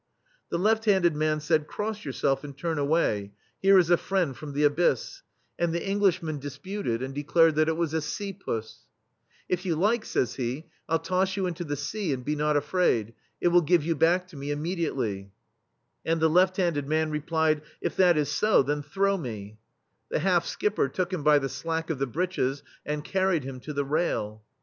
The left handed man said: "Cross yourself and turn away — here is a friend from the Abyss;" and the Englishman THE STEEL FLEA disputed, and declared that it was a "sea puss/* "If you like/* says he, "1*11 toss you into the sea, and be not afraid — it will give you back to me immediately/' And the left handed man replied: "If that is so, then throw me/* The half skipper took him by the slack of the breeches, and carried him to the rail.